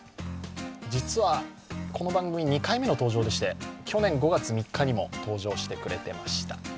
実は、この番組２回目の登場でして、去年５月３日にも登場してくれていました。